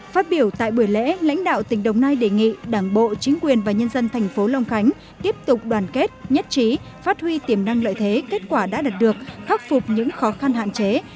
phát biểu tại buổi lễ lãnh đạo tỉnh đồng nai đề nghị đảng bộ chính quyền và nhân dân thành phố long khánh tiếp tục đoàn kết nhất trí phát huy tiềm năng lợi thế kết quả đã đạt được khắc phục những khó khăn hạn chế